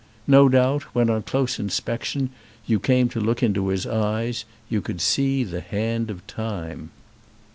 No doubt, when, on close inspection, you came to look into his eyes, you could see the hand of time.